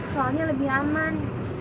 soalnya lebih aman